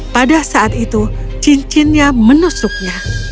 pada saat itu cincinnya menusuknya